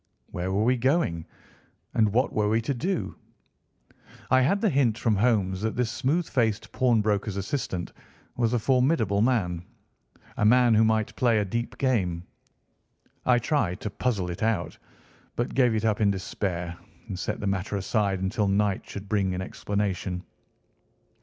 Where were we going, and what were we to do? I had the hint from Holmes that this smooth faced pawnbroker's assistant was a formidable man—a man who might play a deep game. I tried to puzzle it out, but gave it up in despair and set the matter aside until night should bring an explanation.